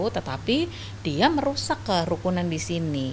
tetapi dia merusak kerukunan di sini